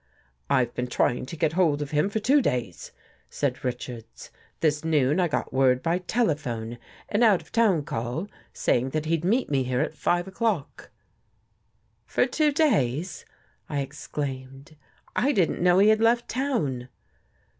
" I've been trying to get hold of him for two days," said Richards. '' This noon I got word by telephone — an out of town call — saying that he'd meet me here at five o'clock." "For two days !" I exclaimed. " I didn't know he had left town."